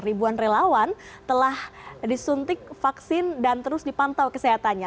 ribuan relawan telah disuntik vaksin dan terus dipantau kesehatannya